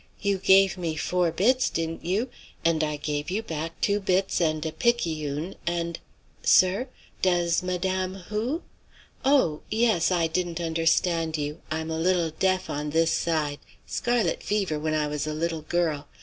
You gave me four bits, didn't you? And I gave you back two bits and a picayune, and sir? Does Madame who? Oh! yes. I didn't understand you; I'm a little deaf on this side; scarlet fever when I was a little girl.